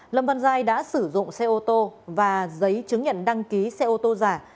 lâm văn giai đã sử dụng xe ô tô và giấy chứng nhận đăng ký xe ô tô giả